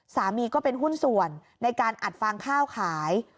ก็เป็นหุ้นส่วนในการอัดฟางข้าวขาย